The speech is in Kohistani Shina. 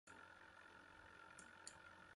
ییْہ کھچٹیْ پھاسے جک کِھن دہ نہ پھتِیا۔